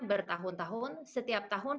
bertahun tahun setiap tahun